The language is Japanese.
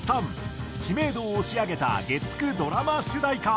知名度を押し上げた月９ドラマ主題歌。